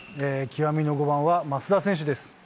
極みの５番は増田選手です。